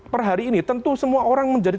per hari ini tentu semua orang menjadi